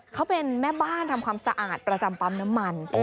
เขาเป็นแม่บ้านทำความสะอาดประจำปั๊มน้ำมัน